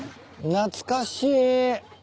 懐かしい。